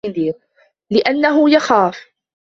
لِأَنَّهُ يَخَافُ